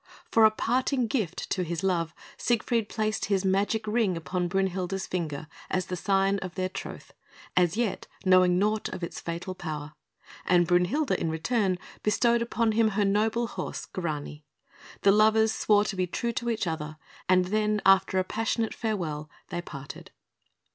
For a parting gift to his love, Siegfried placed his magic Ring upon Brünhilde's finger as the sign of their troth, as yet knowing naught of its fatal power; and Brünhilde, in return, bestowed upon him her noble horse, Grani. The lovers swore to be true to each other, and then, after a passionate farewell, they parted.